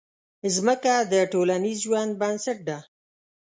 مځکه د ټولنیز ژوند بنسټ ده.